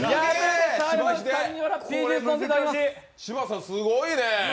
柴田さん、すごいね。